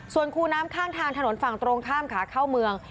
ส่วนคูน้ำข้างทางถนนฝั่งตรงข้ามขาเข้าเมือง